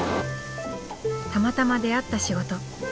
たまたま出会った仕事。